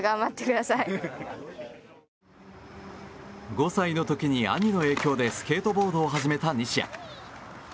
５歳の時に兄の影響でスケートボードを始めた西矢。